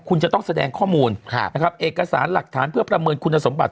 คุณจะต้องแสดงข้อมูลนะครับเอกสารหลักฐานเพื่อประเมินคุณสมบัติ